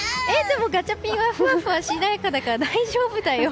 でもガチャピンはふわふわしているから大丈夫だよ。